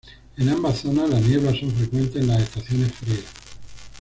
En ambas zonas las nieblas son frecuentes en las estaciones frías.